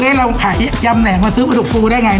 เอ๊ะเราขายยำแหน่งมาซื้อปลาดุกฟูได้ไงนะ